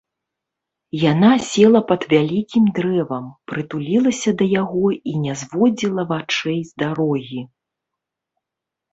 Яна села пад вялікім дрэвам, прытулілася да яго і не зводзіла вачэй з дарогі.